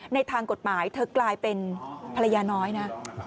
ในทางกฎหมายเธอกลายเป็นภรรยาน้อยนะ